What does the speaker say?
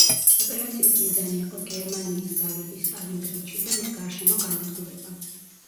ოპერაციის მიზანი იყო გერმანიის ძალების სტალინგრადში და მის გარშემო განადგურება.